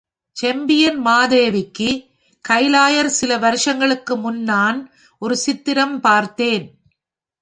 செம்பியன்மாதேவிக் கயிலாயர் சில வருஷங்களுக்கு முன் நான் ஒரு சித்திரம் பார்த்தேன்.